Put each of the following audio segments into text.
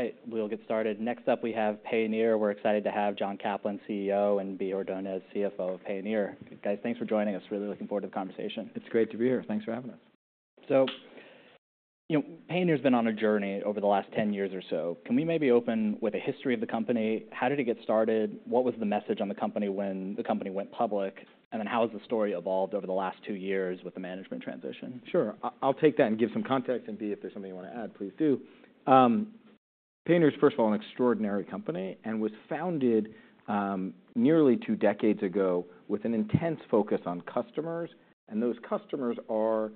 All right, we'll get started. Next up, we have Payoneer. We're excited to have John Caplan, CEO, and Bea Ordonez, CFO of Payoneer. Guys, thanks for joining us. Really looking forward to the conversation. It's great to be here. Thanks for having us. So, you know, Payoneer's been on a journey over the last 10 years or so. Can we maybe open with a history of the company? How did it get started? What was the message on the company when the company went public? And then how has the story evolved over the last 2 years with the management transition? Sure. I'll take that and give some context, and, Bea, if there's something you want to add, please do. Payoneer is, first of all, an extraordinary company and was founded nearly two decades ago with an intense focus on customers, and those customers are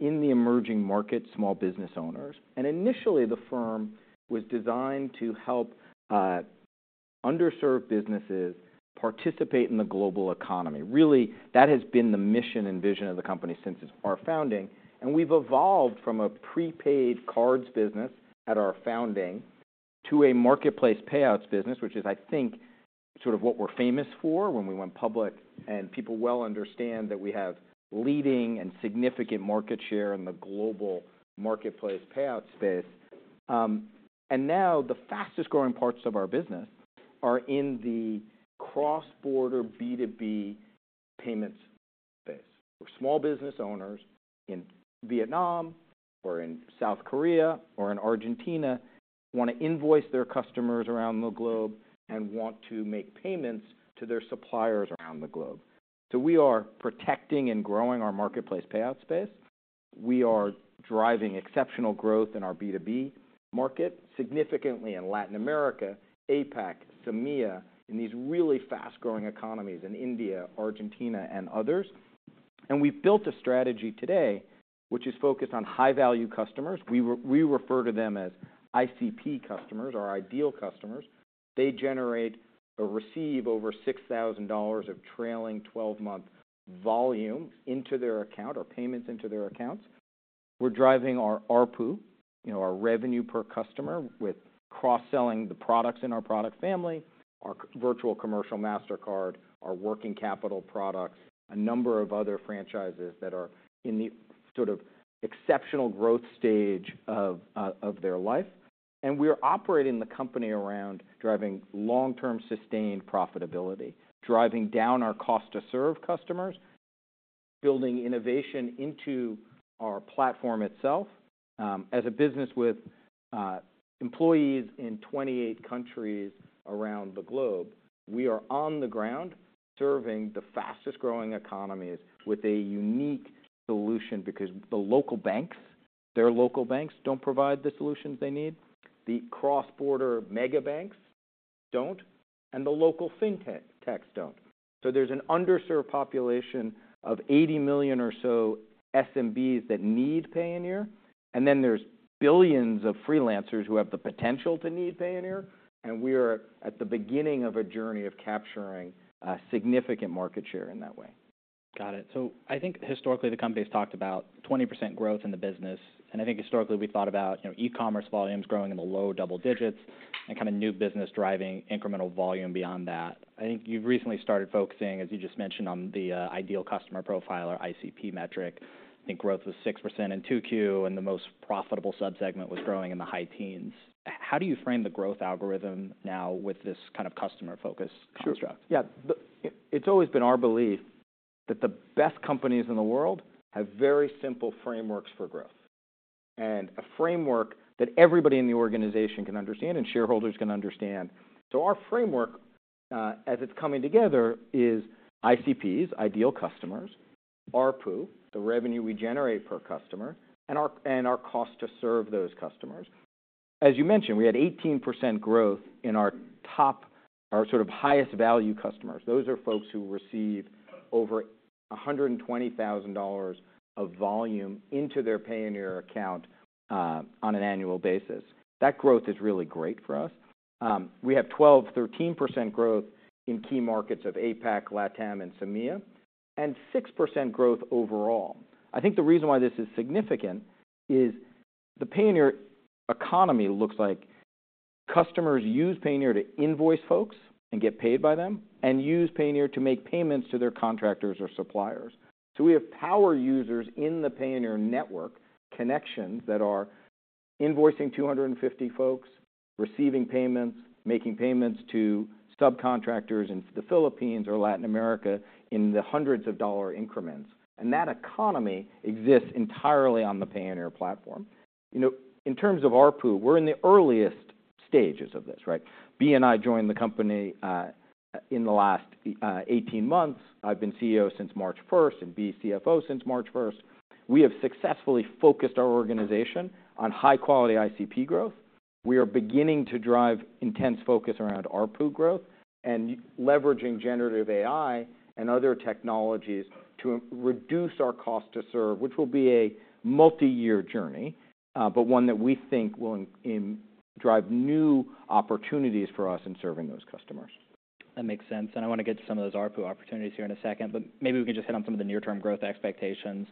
in the emerging market, small business owners. Initially, the firm was designed to help underserved businesses participate in the global economy. Really, that has been the mission and vision of the company since our founding, and we've evolved from a prepaid cards business at our founding to a marketplace payouts business, which is, I think, sort of what we're famous for when we went public. People well understand that we have leading and significant market share in the global marketplace payout space. And now the fastest growing parts of our business are in the cross-border B2B payments space, where small business owners in Vietnam or in South Korea or in Argentina want to invoice their customers around the globe and want to make payments to their suppliers around the globe. So we are protecting and growing our marketplace payout space. We are driving exceptional growth in our B2B market, significantly in Latin America, APAC, MEA, in these really fast-growing economies in India, Argentina, and others. And we've built a strategy today which is focused on high-value customers. We refer to them as ICP customers, our ideal customers. They generate or receive over $6,000 of trailing twelve-month volume into their account or payments into their accounts. We're driving our ARPU, you know, our revenue per customer, with cross-selling the products in our product family, our virtual commercial Mastercard, our working capital products, a number of other franchises that are in the sort of exceptional growth stage of their life. We are operating the company around driving long-term, sustained profitability, driving down our cost to serve customers, building innovation into our platform itself. As a business with employees in 28 countries around the globe, we are on the ground serving the fastest-growing economies with a unique solution because the local banks, their local banks, don't provide the solutions they need. The cross-border mega banks don't, and the local fintechs don't. So there's an underserved population of 80 million or so SMBs that need Payoneer, and then there's billions of freelancers who have the potential to need Payoneer, and we are at the beginning of a journey of capturing a significant market share in that way. Got it. So I think historically, the company's talked about 20% growth in the business, and I think historically we thought about, you know, e-commerce volumes growing in the low double digits and kind of new business driving incremental volume beyond that. I think you've recently started focusing, as you just mentioned, on the ideal customer profile or ICP metric. I think growth was 6% in 2Q, and the most profitable sub-segment was growing in the high teens. How do you frame the growth algorithm now with this kind of customer focus construct? Sure. Yeah. It's always been our belief that the best companies in the world have very simple frameworks for growth, and a framework that everybody in the organization can understand and shareholders can understand. So our framework, as it's coming together is ICPs, ideal customers, ARPU, the revenue we generate per customer, and our, and our cost to serve those customers. As you mentioned, we had 18% growth in our top - our sort of highest value customers. Those are folks who receive over $120,000 of volume into their Payoneer account, on an annual basis. That growth is really great for us. We have 12%-13% growth in key markets of APAC, LATAM, and MEA, and 6% growth overall. I think the reason why this is significant is the Payoneer economy looks like customers use Payoneer to invoice folks and get paid by them, and use Payoneer to make payments to their contractors or suppliers. So we have power users in the Payoneer network connections that are invoicing 250 folks, receiving payments, making payments to subcontractors in the Philippines or Latin America in hundreds-of-dollar increments, and that economy exists entirely on the Payoneer platform. You know, in terms of ARPU, we're in the earliest stages of this, right? Bea and I joined the company in the last 18 months. I've been CEO since March 1, and Bea, CFO since March 1. We have successfully focused our organization on high-quality ICP growth. We are beginning to drive intense focus around ARPU growth and leveraging generative AI and other technologies to reduce our cost to serve, which will be a multi-year journey, but one that we think will drive new opportunities for us in serving those customers. That makes sense, and I want to get to some of those ARPU opportunities here in a second, but maybe we can just hit on some of the near-term growth expectations.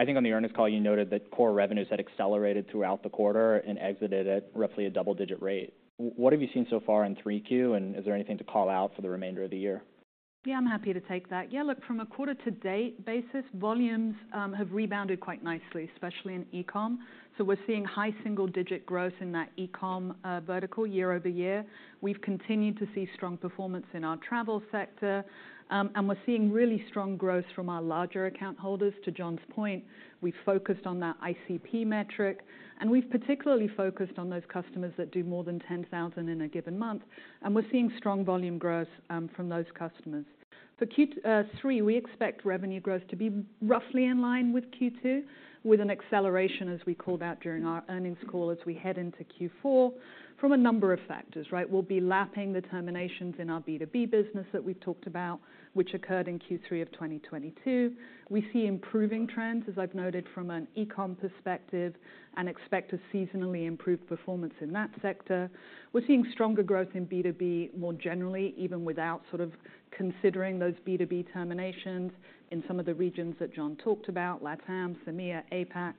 I think on the earnings call, you noted that core revenues had accelerated throughout the quarter and exited at roughly a double-digit rate. What have you seen so far in 3Q, and is there anything to call out for the remainder of the year?... Yeah, I'm happy to take that. Yeah, look, from a quarter-to-date basis, volumes have rebounded quite nicely, especially in e-com. So we're seeing high single-digit growth in that e-com vertical year-over-year. We've continued to see strong performance in our travel sector and we're seeing really strong growth from our larger account holders. To John's point, we've focused on that ICP metric, and we've particularly focused on those customers that do more than 10,000 in a given month, and we're seeing strong volume growth from those customers. For Q3, we expect revenue growth to be roughly in line with Q2, with an acceleration, as we called out during our earnings call, as we head into Q4, from a number of factors, right? We'll be lapping the terminations in our B2B business that we've talked about, which occurred in Q3 of 2022. We see improving trends, as I've noted, from an e-com perspective, and expect a seasonally improved performance in that sector. We're seeing stronger growth in B2B more generally, even without sort of considering those B2B terminations in some of the regions that John talked about, LATAM, CEMEA, APAC.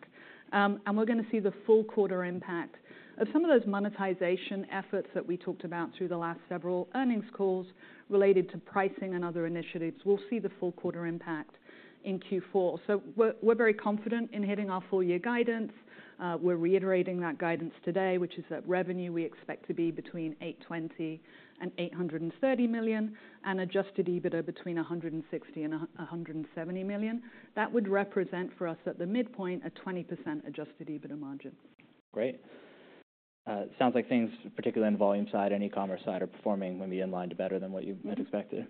And we're going to see the full quarter impact of some of those monetization efforts that we talked about through the last several earnings calls related to pricing and other initiatives. We'll see the full quarter impact in Q4. So we're, we're very confident in hitting our full-year guidance. We're reiterating that guidance today, which is that revenue we expect to be between $820 million and $830 million, and Adjusted EBITDA between $160 million and $170 million. That would represent for us, at the midpoint, a 20% Adjusted EBITDA margin. Great. Sounds like things, particularly on the volume side and e-commerce side, are performing maybe in line to better than what you had expected.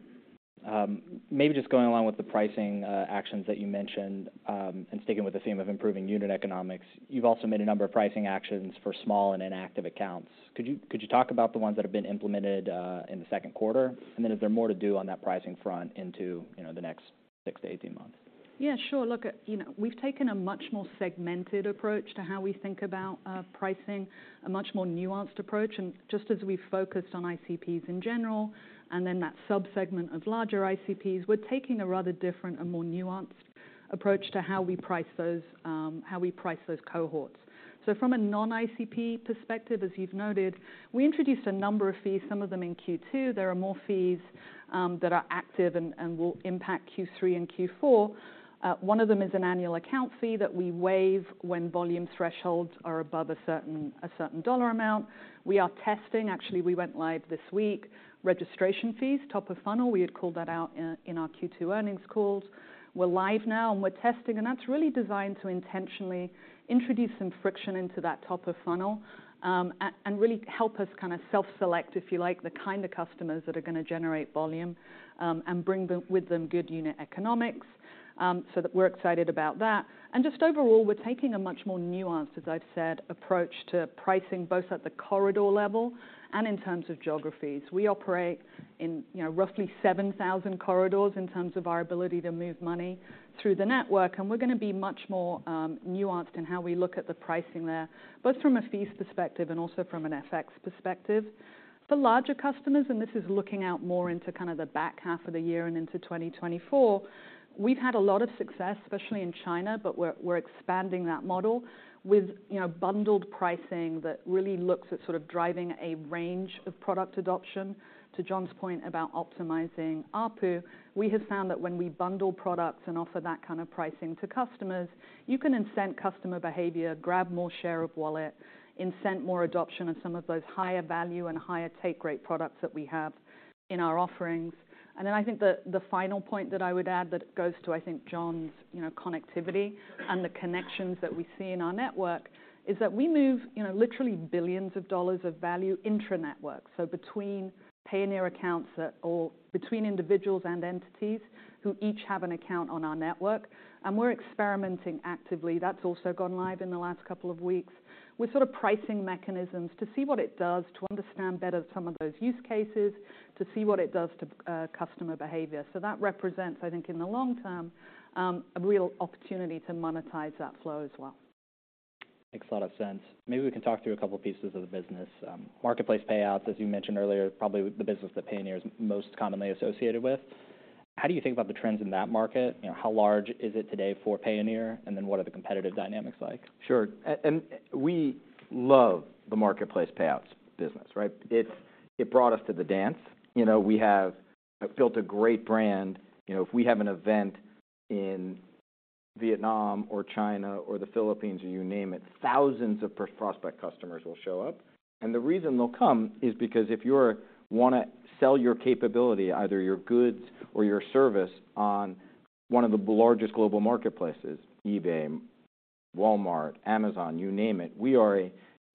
Maybe just going along with the pricing actions that you mentioned, and sticking with the theme of improving unit economics, you've also made a number of pricing actions for small and inactive accounts. Could you talk about the ones that have been implemented in the second quarter? And then is there more to do on that pricing front into, you know, the next 6-18 months? Yeah, sure. Look, you know, we've taken a much more segmented approach to how we think about pricing, a much more nuanced approach. And just as we focused on ICPs in general, and then that subsegment of larger ICPs, we're taking a rather different and more nuanced approach to how we price those cohorts. So from a non-ICP perspective, as you've noted, we introduced a number of fees, some of them in Q2. There are more fees that are active and will impact Q3 and Q4. One of them is an annual account fee that we waive when volume thresholds are above a certain dollar amount. We are testing, actually, we went live this week, registration fees, top of funnel. We had called that out in our Q2 earnings calls. We're live now and we're testing, and that's really designed to intentionally introduce some friction into that top of funnel, and really help us kind of self-select, if you like, the kind of customers that are going to generate volume, and bring with them good unit economics. So that we're excited about that. And just overall, we're taking a much more nuanced, as I've said, approach to pricing, both at the corridor level and in terms of geographies. We operate in, you know, roughly 7,000 corridors in terms of our ability to move money through the network, and we're going to be much more nuanced in how we look at the pricing there, both from a fees perspective and also from an FX perspective. The larger customers, and this is looking out more into kind of the back half of the year and into 2024, we've had a lot of success, especially in China, but we're expanding that model with, you know, bundled pricing that really looks at sort of driving a range of product adoption. To John's point about optimizing ARPU, we have found that when we bundle products and offer that kind of pricing to customers, you can incent customer behavior, grab more share of wallet, incent more adoption of some of those higher value and higher take-rate products that we have in our offerings. And then I think the final point that I would add that goes to, I think, John's, you know, connectivity and the connections that we see in our network, is that we move, you know, literally $ billions of value intra-network. So between Payoneer accounts or between individuals and entities who each have an account on our network, and we're experimenting actively. That's also gone live in the last couple of weeks. We're sort of pricing mechanisms to see what it does, to understand better some of those use cases, to see what it does to customer behavior. So that represents, I think, in the long term, a real opportunity to monetize that flow as well. Makes a lot of sense. Maybe we can talk through a couple pieces of the business. Marketplace payouts, as you mentioned earlier, probably the business that Payoneer is most commonly associated with. How do you think about the trends in that market? You know, how large is it today for Payoneer, and then what are the competitive dynamics like? Sure. And we love the marketplace payouts business, right? It, it brought us to the dance. You know, we have built a great brand. You know, if we have an event in Vietnam or China or the Philippines, or you name it, thousands of prospective customers will show up. And the reason they'll come is because if you wanna sell your capability, either your goods or your service on one of the largest global marketplaces, eBay, Walmart, Amazon, you name it, we are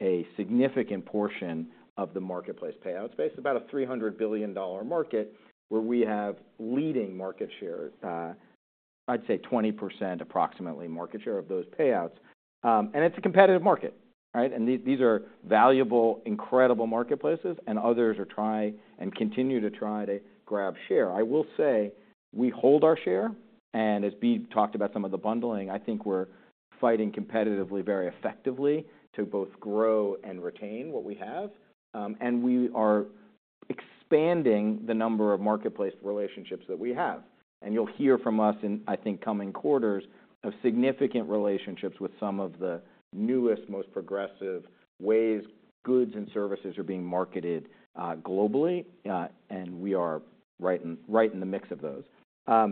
a significant portion of the marketplace payouts. It's about a $300 billion market where we have leading market share. I'd say 20%, approximately, market share of those payouts. And it's a competitive market, right? And these, these are valuable, incredible marketplaces and others are trying and continue to try to grab share. I will say, we hold our share, and as Bea talked about some of the bundling, I think we're fighting competitively, very effectively to both grow and retain what we have. And we are expanding the number of marketplace relationships that we have. And you'll hear from us in, I think, coming quarters, of significant relationships with some of the newest, most progressive ways goods and services are being marketed, globally. And we are right in, right in the mix of those. As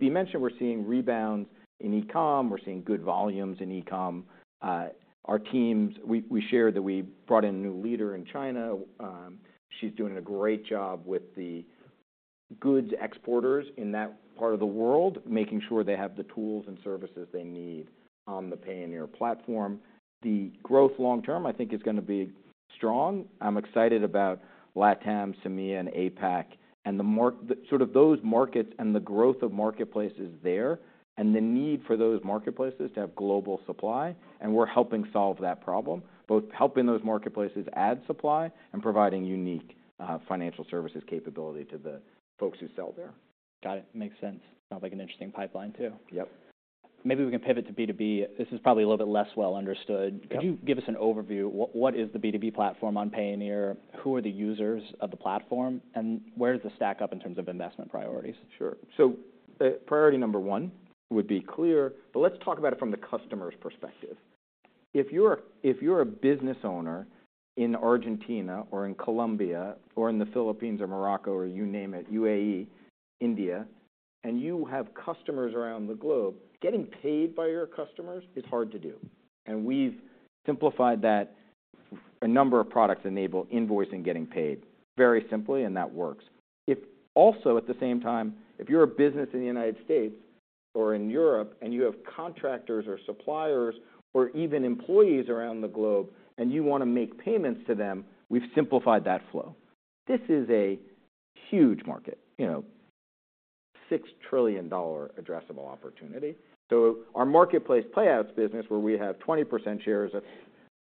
Bea mentioned, we're seeing rebounds in e-com, we're seeing good volumes in e-com. Our teams, we shared that we brought in a new leader in China. She's doing a great job with the goods exporters in that part of the world, making sure they have the tools and services they need on the Payoneer platform. The growth long term, I think, is gonna be strong. I'm excited about LATAM, CEMEA, and APAC, and the markets, the sort of those markets and the growth of marketplaces there, and the need for those marketplaces to have global supply, and we're helping solve that problem. Both helping those marketplaces add supply and providing unique financial services capability to the folks who sell there. Got it. Makes sense. Sounds like an interesting pipeline, too. Yep. Maybe we can pivot to B2B. This is probably a little bit less well understood. Yep. Could you give us an overview? What, what is the B2B platform on Payoneer? Who are the users of the platform, and where does it stack up in terms of investment priorities? Sure. So, priority number one would be clear, but let's talk about it from the customer's perspective. If you're a business owner in Argentina or in Colombia or in the Philippines or Morocco or you name it, UAE, India, and you have customers around the globe, getting paid by your customers is hard to do, and we've simplified that. A number of products enable invoicing and getting paid very simply, and that works. Also, at the same time, if you're a business in the United States or in Europe, and you have contractors or suppliers or even employees around the globe, and you wanna make payments to them, we've simplified that flow. This is a huge market, you know, $6 trillion addressable opportunity. So our marketplace payouts business, where we have 20% shares of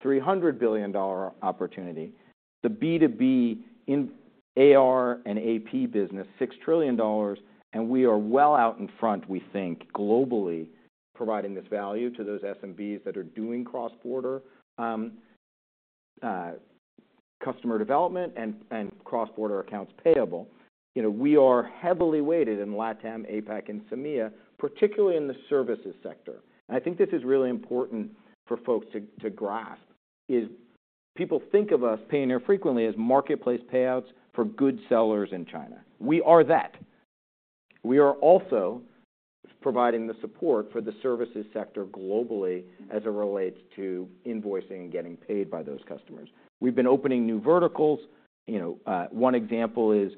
$300 billion opportunity, the B2B in AR and AP business, $6 trillion, and we are well out in front, we think, globally, providing this value to those SMBs that are doing cross-border customer development and cross-border accounts payable. You know, we are heavily weighted in LATAM, APAC, and CEMEA, particularly in the services sector. And I think this is really important for folks to grasp, is people think of us Payoneer frequently as marketplace payouts for good sellers in China. We are that. We are also providing the support for the services sector globally as it relates to invoicing and getting paid by those customers. We've been opening new verticals. You know, one example is,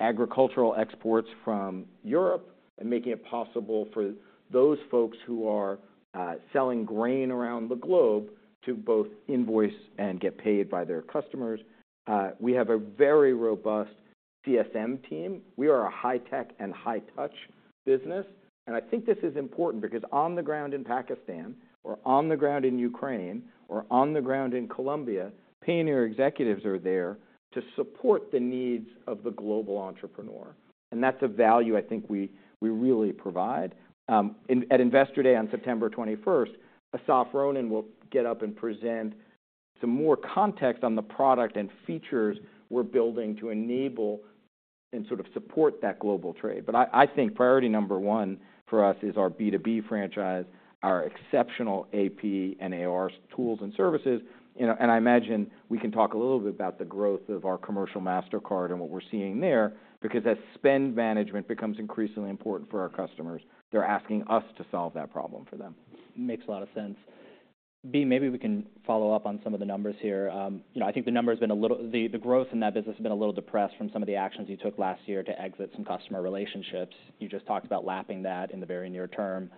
agricultural exports from Europe and making it possible for those folks who are, selling grain around the globe to both invoice and get paid by their customers. We have a very robust CSM team. We are a high tech and high touch business, and I think this is important because on the ground in Pakistan, or on the ground in Ukraine, or on the ground in Colombia, Payoneer executives are there to support the needs of the global entrepreneur, and that's a value I think we, we really provide. At Investor Day on September twenty-first, Asaf Ronen will get up and present some more context on the product and features we're building to enable and sort of support that global trade. But I, I think priority number one for us is our B2B franchise, our exceptional AP and AR tools and services. You know, and I imagine we can talk a little bit about the growth of our commercial Mastercard and what we're seeing there, because as spend management becomes increasingly important for our customers, they're asking us to solve that problem for them. Makes a lot of sense. Bea, maybe we can follow up on some of the numbers here. You know, I think the number has been a little... The growth in that business has been a little depressed from some of the actions you took last year to exit some customer relationships. You just talked about lapping that in the very near term.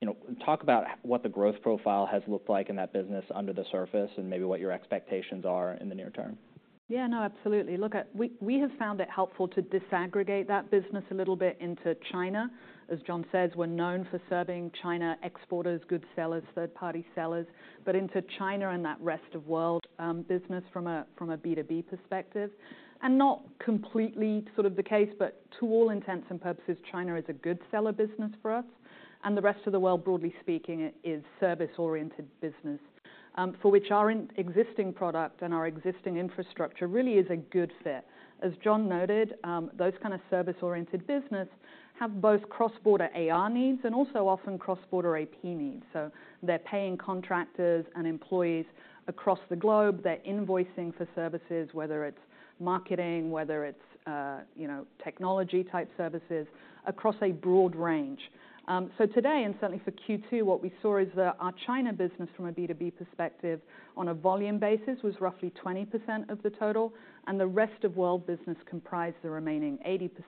You know, talk about what the growth profile has looked like in that business under the surface, and maybe what your expectations are in the near term. Yeah, no, absolutely. Look, as we have found it helpful to disaggregate that business a little bit into China. As John says, we're known for serving China exporters, goods seller, third-party sellers, but into China and that rest of world business from a B2B perspective, and not completely sort of the case, but to all intents and purposes, China is a goods seller business for us, and the rest of the world, broadly speaking, is service-oriented business, for which our existing product and our existing infrastructure really is a good fit. As John noted, those kind of service-oriented business have both cross-border AR needs and also often cross-border AP needs. So they're paying contractors and employees across the globe. They're invoicing for services, whether it's marketing, whether it's, you know, technology-type services, across a broad range. So today, and certainly for Q2, what we saw is that our China business, from a B2B perspective, on a volume basis, was roughly 20% of the total, and the rest of world business comprised the remaining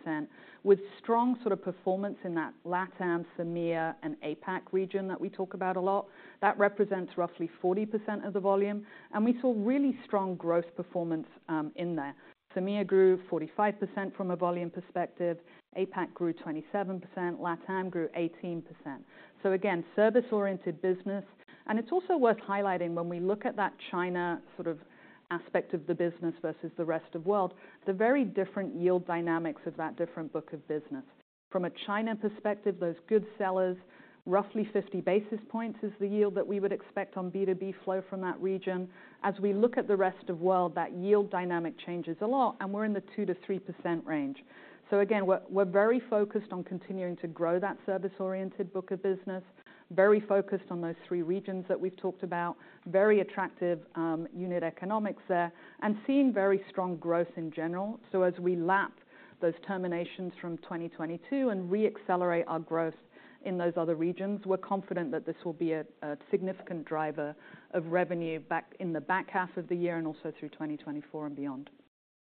80%, with strong sort of performance in that LATAM, CEMEA, and APAC region that we talk about a lot. That represents roughly 40% of the volume, and we saw really strong growth performance, in there. CEMEA grew 45% from a volume perspective, APAC grew 27%, LATAM grew 18%. So again, service-oriented business. And it's also worth highlighting, when we look at that China sort of aspect of the business versus the rest of world, the very different yield dynamics of that different book of business. From a China perspective, those goods sellers, roughly 50 basis points is the yield that we would expect on B2B flow from that region. As we look at the rest of world, that yield dynamic changes a lot, and we're in the 2%-3% range. So again, we're very focused on continuing to grow that service-oriented book of business, very focused on those three regions that we've talked about, very attractive unit economics there, and seeing very strong growth in general. So as we lap those terminations from 2022 and re-accelerate our growth in those other regions, we're confident that this will be a significant driver of revenue back in the back half of the year and also through 2024 and beyond.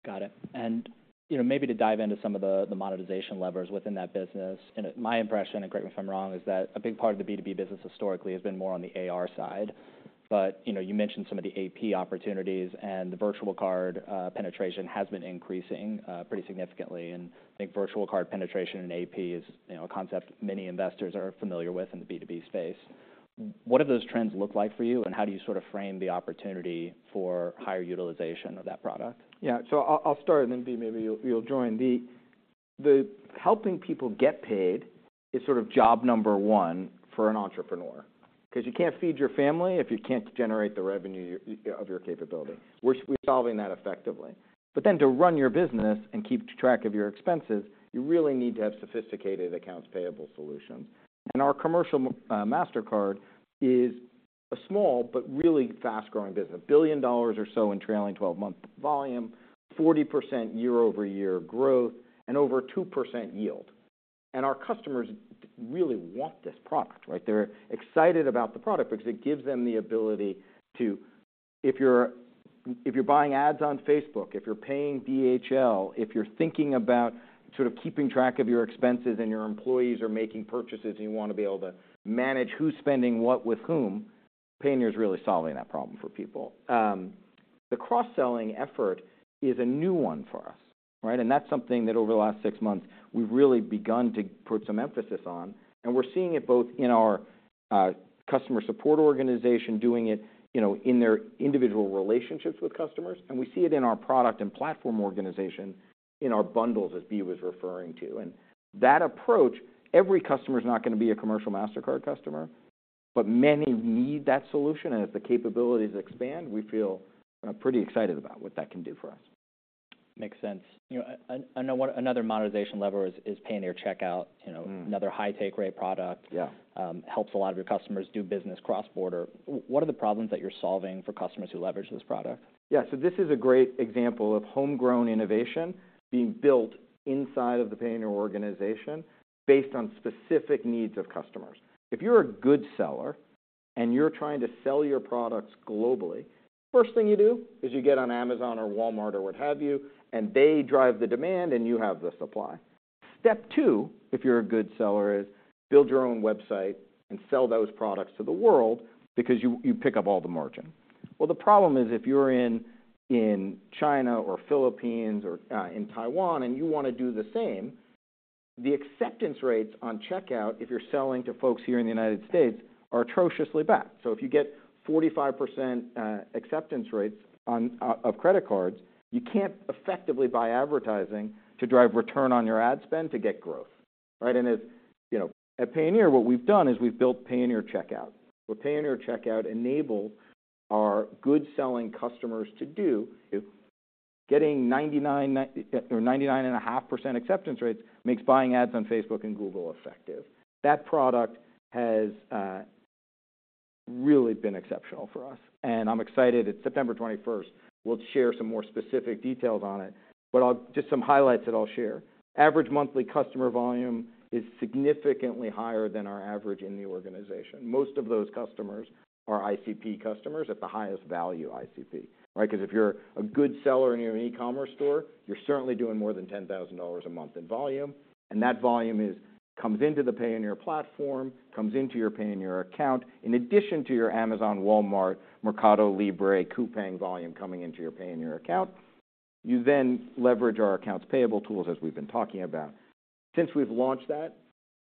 Got it. And, you know, maybe to dive into some of the, the monetization levers within that business, and my impression, and correct me if I'm wrong, is that a big part of the B2B business historically has been more on the AR side. But, you know, you mentioned some of the AP opportunities, and the virtual card penetration has been increasing pretty significantly. And I think virtual card penetration in AP is, you know, a concept many investors are familiar with in the B2B space. What do those trends look like for you, and how do you sort of frame the opportunity for higher utilization of that product? Yeah. So I'll start, and then, Bea, maybe you'll join. The helping people get paid is sort of job number one for an entrepreneur, 'cause you can't feed your family if you can't generate the revenue of your capability. We're solving that effectively. But then to run your business and keep track of your expenses, you really need to have sophisticated accounts payable solutions. And our commercial Mastercard is a small but really fast-growing business. $1 billion or so in trailing twelve-month volume, 40% year-over-year growth, and over 2% yield. And our customers really want this product, right? They're excited about the product because it gives them the ability to... If you're, if you're buying ads on Facebook, if you're paying DHL, if you're thinking about sort of keeping track of your expenses and your employees are making purchases, and you want to be able to manage who's spending what with whom, Payoneer is really solving that problem for people. The cross-selling effort is a new one for us, right? That's something that over the last six months, we've really begun to put some emphasis on, and we're seeing it both in our customer support organization, doing it, you know, in their individual relationships with customers, and we see it in our product and platform organization, in our bundles, as Bea was referring to. That approach, every customer is not going to be a commercial Mastercard customer, but many need that solution. As the capabilities expand, we feel pretty excited about what that can do for us. Makes sense. You know, another monetization lever is Payoneer Checkout. You know- Mm. - another high take rate product. Yeah. Helps a lot of your customers do business cross-border. What are the problems that you're solving for customers who leverage this product? Yeah. So this is a great example of homegrown innovation being built inside of the Payoneer organization based on specific needs of customers. If you're a good seller and you're trying to sell your products globally, first thing you do is you get on Amazon or Walmart or what have you, and they drive the demand, and you have the supply. Step two, if you're a good seller, is build your own website and sell those products to the world because you, you pick up all the margin. Well, the problem is, if you're in China or Philippines or in Taiwan and you want to do the same, the acceptance rates on checkout, if you're selling to folks here in the United States, are atrociously bad. If you get 45% acceptance rates on, of credit cards, you can't effectively buy advertising to drive return on your ad spend to get growth, right? As you know, at Payoneer, what we've done is we've built Payoneer Checkout. What Payoneer Checkout enables our goods selling customers to do is getting 99, 99 or 99.5% acceptance rates makes buying ads on Facebook and Google effective. That product has really been exceptional for us, and I'm excited. It's September 21st. We'll share some more specific details on it, but I'll... Just some highlights that I'll share. Average monthly customer volume is significantly higher than our average in the organization. Most of those customers are ICP customers at the highest value ICP, right? Because if you're a goods seller and you're an e-commerce store, you're certainly doing more than $10,000 a month in volume, and that volume comes into the Payoneer platform, comes into your Payoneer account, in addition to your Amazon, Walmart, Mercado Libre, Coupang volume coming into your Payoneer account. You then leverage our accounts payable tools, as we've been talking about. Since we've launched that,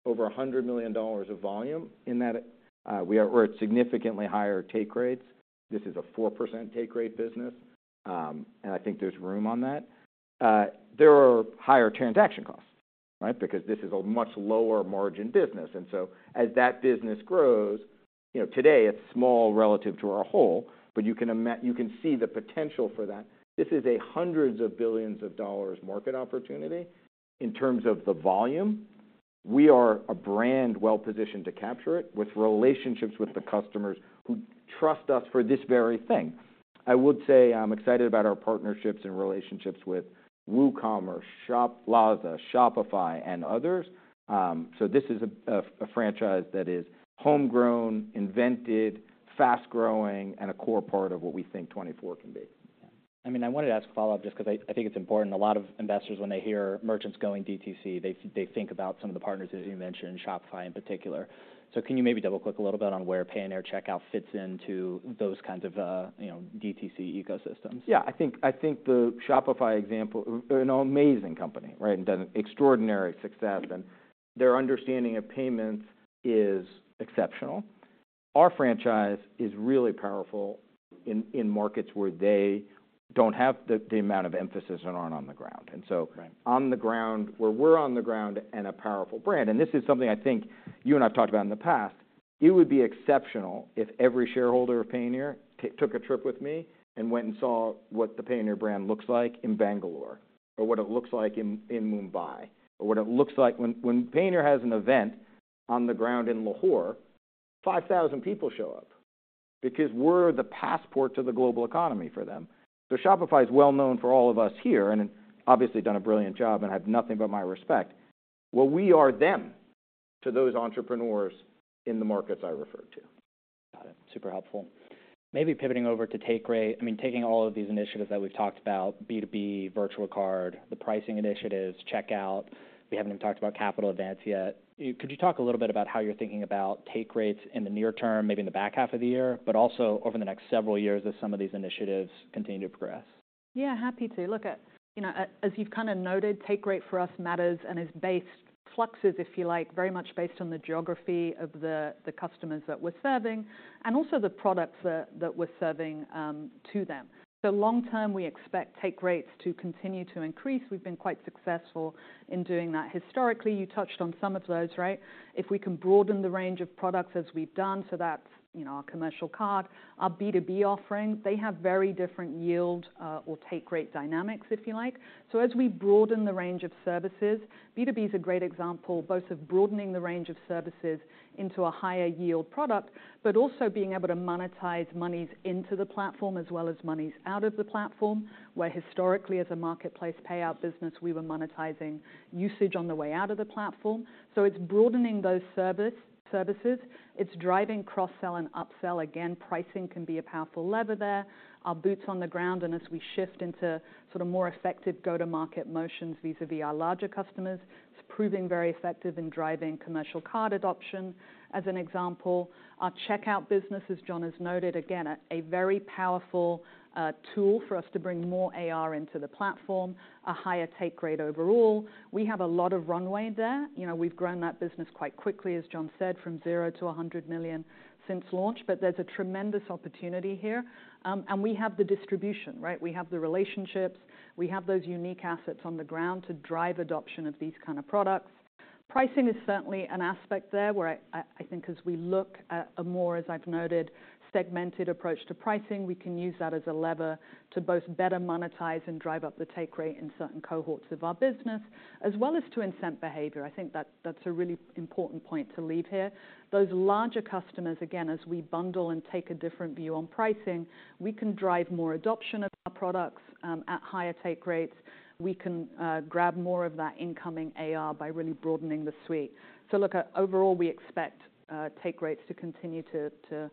over $100 million of volume in that, we are at significantly higher take rates. This is a 4% take rate business, and I think there's room on that. There are higher transaction costs, right? Because this is a much lower margin business. And so as that business grows, you know, today it's small relative to our whole, but you can see the potential for that. This is a hundreds of billions of dollars market opportunity in terms of the volume. We are a brand well-positioned to capture it with relationships with the customers who trust us for this very thing. I would say I'm excited about our partnerships and relationships with WooCommerce, Shopify, Lazada, and others. So this is a franchise that is homegrown, invented, fast-growing, and a core part of what we think 2024 can be. I mean, I wanted to ask a follow-up just 'cause I, I think it's important. A lot of investors, when they hear merchants going DTC, they, they think about some of the partners, as you mentioned, Shopify in particular. So can you maybe double-click a little bit on where Payoneer Checkout fits into those kinds of, you know, DTC ecosystems? Yeah, I think, I think the Shopify example, an amazing company, right? And extraordinary success, and their understanding of payments is exceptional. Our franchise is really powerful in, in markets where they don't have the, the amount of emphasis and aren't on the ground. And so- Right On the ground, where we're on the ground and a powerful brand, and this is something I think you and I have talked about in the past, it would be exceptional if every shareholder of Payoneer take, took a trip with me and went and saw what the Payoneer brand looks like in Bangalore, or what it looks like in Mumbai, or what it looks like when Payoneer has an event on the ground in Lahore, 5,000 people show up because we're the passport to the global economy for them. So Shopify is well known for all of us here, and it's obviously done a brilliant job and I have nothing but my respect. Well, we are them to those entrepreneurs in the markets I referred to. Got it. Super helpful. Maybe pivoting over to Take Rate. I mean, taking all of these initiatives that we've talked about, B2B, virtual card, the pricing initiatives, checkout, we haven't even talked about Capital Advance yet. Could you talk a little bit about how you're thinking about take Rates in the near term, maybe in the back half of the year, but also over the next several years as some of these initiatives continue to progress? Yeah, happy to. Look at, you know, as you've kinda noted, take rate for us matters and is based fluxes, if you like, very much based on the geography of the customers that we're serving and also the products that we're serving to them. So long term, we expect take rates to continue to increase. We've been quite successful in doing that. Historically, you touched on some of those, right? If we can broaden the range of products as we've done, so that's, you know, our commercial card, our B2B offerings, they have very different yield or take rate dynamics, if you like. So as we broaden the range of services, B2B is a great example, both of broadening the range of services into a higher yield product, but also being able to monetize monies into the platform as well as monies out of the platform, where historically, as a marketplace payout business, we were monetizing usage on the way out of the platform. So it's broadening those services. It's driving cross-sell and upsell. Again, pricing can be a powerful lever there. Our boots on the ground, and as we shift into sort of more effective go-to-market motions, vis-a-vis our larger customers, it's proving very effective in driving commercial card adoption. As an example, our checkout business, as John has noted, again, a very powerful tool for us to bring more AR into the platform, a higher take rate overall. We have a lot of runway there. You know, we've grown that business quite quickly, as John said, from 0 to $100 million since launch, but there's a tremendous opportunity here. And we have the distribution, right? We have the relationships, we have those unique assets on the ground to drive adoption of these kind of products. Pricing is certainly an aspect there, where I, I, I think as we look at a more, as I've noted, segmented approach to pricing, we can use that as a lever to both better monetize and drive up the take rate in certain cohorts of our business, as well as to incent behavior. I think that's, that's a really important point to leave here. Those larger customers, again, as we bundle and take a different view on pricing, we can drive more adoption of our products, at higher take rates. We can grab more of that incoming AR by really broadening the suite. So look, overall, we expect take rates to continue to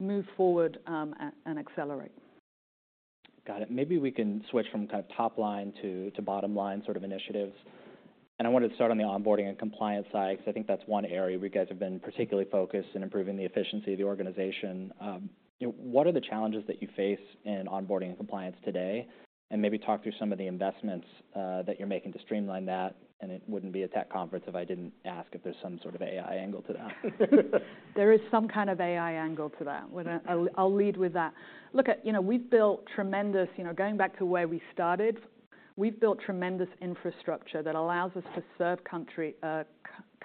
move forward, and accelerate. Got it. Maybe we can switch from kind of top line to bottom line sort of initiatives. And I wanted to start on the onboarding and compliance side, because I think that's one area where you guys have been particularly focused in improving the efficiency of the organization. What are the challenges that you face in onboarding and compliance today? And maybe talk through some of the investments that you're making to streamline that, and it wouldn't be a tech conference if I didn't ask if there's some sort of AI angle to that. There is some kind of AI angle to that. Well, I'll lead with that. Look, you know, we've built tremendous... You know, going back to where we started, we've built tremendous infrastructure that allows us to serve country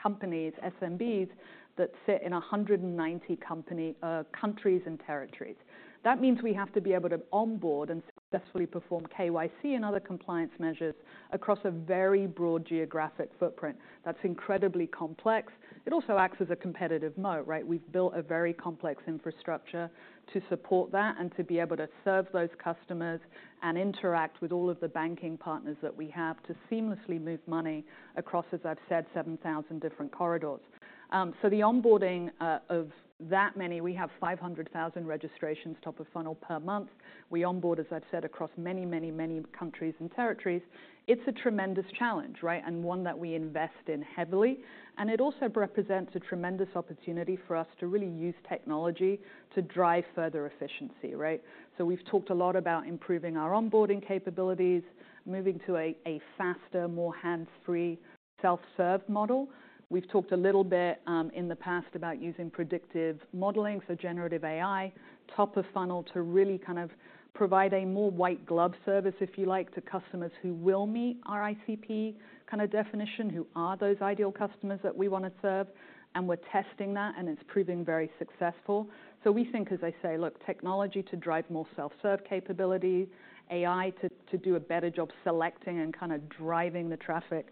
companies, SMBs, that fit in 190 company countries and territories. That means we have to be able to onboard and successfully perform KYC and other compliance measures across a very broad geographic footprint. That's incredibly complex. It also acts as a competitive moat, right? We've built a very complex infrastructure to support that and to be able to serve those customers and interact with all of the banking partners that we have to seamlessly move money across, as I've said, 7,000 different corridors. So the onboarding of that many, we have 500,000 registrations top of funnel per month. We onboard, as I've said, across many, many, many countries and territories. It's a tremendous challenge, right? One that we invest in heavily. It also represents a tremendous opportunity for us to really use technology to drive further efficiency, right? So we've talked a lot about improving our onboarding capabilities, moving to a faster, more hands-free, self-serve model. We've talked a little bit, in the past about using predictive modeling, so generative AI, top of funnel, to really kind of provide a more white glove service, if you like, to customers who will meet our ICP kind of definition, who are those ideal customers that we want to serve, and we're testing that, and it's proving very successful. So we think, as I say, look, technology to drive more self-serve capability, AI to do a better job selecting and kinda driving the traffic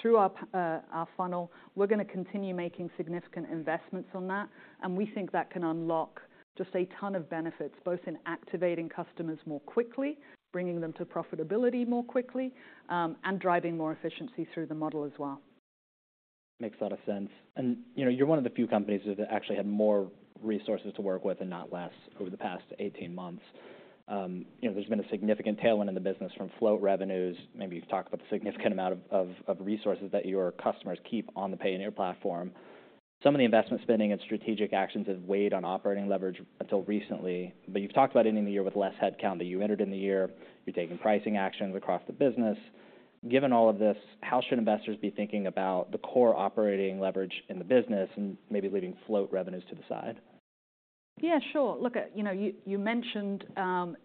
through our funnel. We're gonna continue making significant investments on that, and we think that can unlock just a ton of benefits, both in activating customers more quickly, bringing them to profitability more quickly, and driving more efficiency through the model as well. Makes a lot of sense. And, you know, you're one of the few companies that actually had more resources to work with and not less over the past 18 months. You know, there's been a significant tailwind in the business from float revenues. Maybe you've talked about the significant amount of resources that your customers keep on the Payoneer platform. Some of the investment spending and strategic actions have weighed on operating leverage until recently, but you've talked about ending the year with less headcount than you entered in the year. You're taking pricing actions across the business... Given all of this, how should investors be thinking about the core operating leverage in the business and maybe leaving float revenues to the side? Yeah, sure. Look, you know, you mentioned,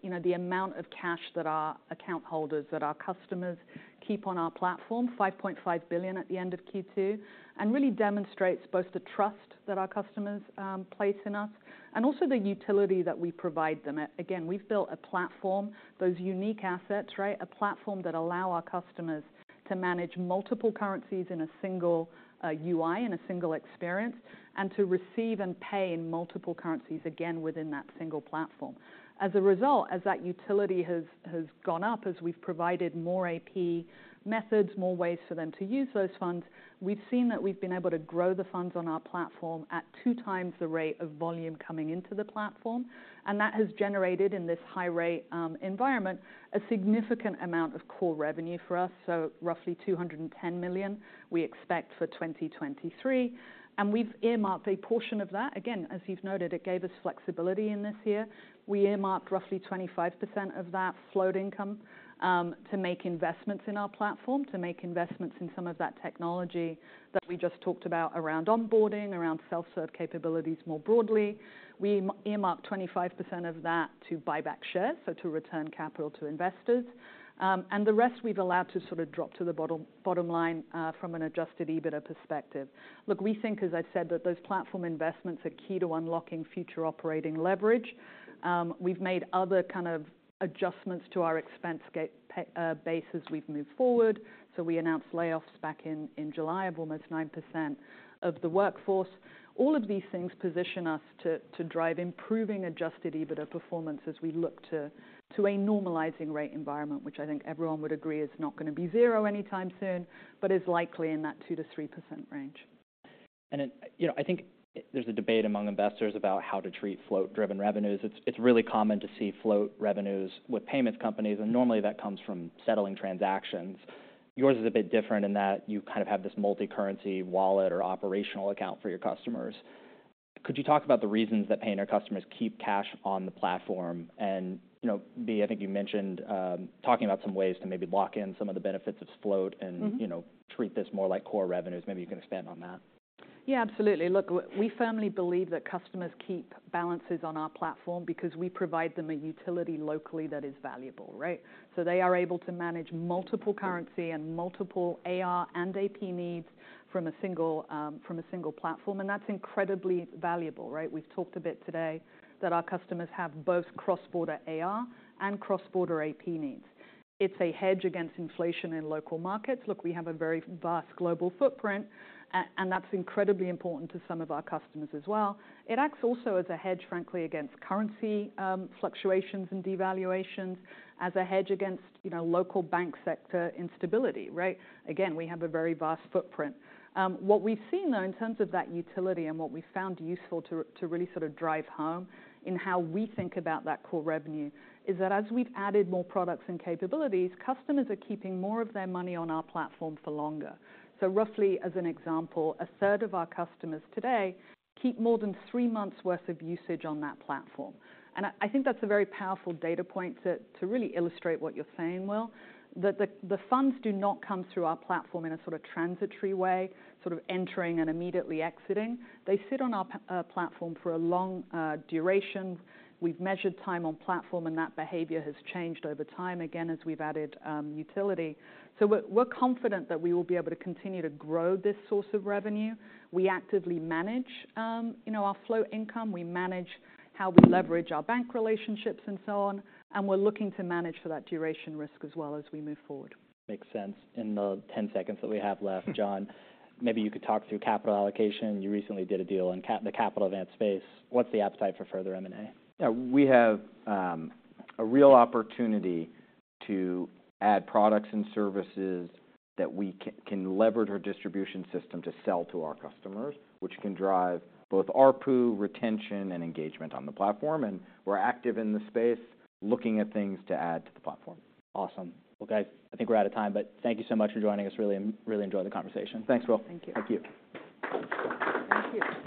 you know, the amount of cash that our account holders, that our customers keep on our platform, $5.5 billion at the end of Q2, and really demonstrates both the trust that our customers place in us and also the utility that we provide them. Again, we've built a platform, those unique assets, right? A platform that allow our customers to manage multiple currencies in a single UI, in a single experience, and to receive and pay in multiple currencies, again, within that single platform. As a result, as that utility has gone up, as we've provided more AP methods, more ways for them to use those funds, we've seen that we've been able to grow the funds on our platform at 2x the rate of volume coming into the platform. That has generated, in this high rate environment, a significant amount of core revenue for us, so roughly $210 million we expect for 2023. We've earmarked a portion of that. Again, as you've noted, it gave us flexibility in this year. We earmarked roughly 25% of that float income to make investments in our platform, to make investments in some of that technology that we just talked about around onboarding, around self-serve capabilities more broadly. We earmarked 25% of that to buy back shares, so to return capital to investors. And the rest we've allowed to sort of drop to the bottom line from an Adjusted EBITDA perspective. Look, we think, as I've said, that those platform investments are key to unlocking future operating leverage. We've made other kind of adjustments to our expense base as we've moved forward. So we announced layoffs back in July of almost 9% of the workforce. All of these things position us to drive improving Adjusted EBITDA performance as we look to a normalizing rate environment, which I think everyone would agree is not gonna be zero anytime soon, but is likely in that 2%-3% range. You know, I think there's a debate among investors about how to treat float-driven revenues. It's really common to see float revenues with payments companies, and normally that comes from settling transactions. Yours is a bit different in that you kind of have this multicurrency wallet or operational account for your customers. Could you talk about the reasons that Payoneer customers keep cash on the platform? And, you know, Bea, I think you mentioned talking about some ways to maybe lock in some of the benefits of float and- Mm-hmm... you know, treat this more like core revenues. Maybe you can expand on that. Yeah, absolutely. Look, we firmly believe that customers keep balances on our platform because we provide them a utility locally that is valuable, right? So they are able to manage multiple currency and multiple AR and AP needs from a single platform, and that's incredibly valuable, right? We've talked a bit today that our customers have both cross-border AR and cross-border AP needs. It's a hedge against inflation in local markets. Look, we have a very vast global footprint, and that's incredibly important to some of our customers as well. It acts also as a hedge, frankly, against currency fluctuations and devaluations, as a hedge against, you know, local bank sector instability, right? Again, we have a very vast footprint. What we've seen, though, in terms of that utility and what we found useful to really sort of drive home in how we think about that core revenue, is that as we've added more products and capabilities, customers are keeping more of their money on our platform for longer. So roughly, as an example, a third of our customers today keep more than 3 months' worth of usage on that platform. And I think that's a very powerful data point to really illustrate what you're saying, Will. That the funds do not come through our platform in a sort of transitory way, sort of entering and immediately exiting. They sit on our platform for a long duration. We've measured time on platform, and that behavior has changed over time, again, as we've added utility. So we're confident that we will be able to continue to grow this source of revenue. We actively manage, you know, our float income, we manage how we leverage our bank relationships and so on, and we're looking to manage for that duration risk as well, as we move forward. Makes sense. In the 10 seconds that we have left, John, maybe you could talk through capital allocation. You recently did a deal in the Capital Advance space. What's the appetite for further M&A? Yeah. We have a real opportunity to add products and services that we can leverage our distribution system to sell to our customers, which can drive both ARPU, retention, and engagement on the platform. We're active in the space, looking at things to add to the platform. Awesome. Okay, I think we're out of time, but thank you so much for joining us. Really, really enjoyed the conversation. Thanks, Will. Thank you. Thank you. Thank you.